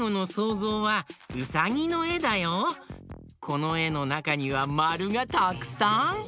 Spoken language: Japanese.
このえのなかにはまるがたくさん！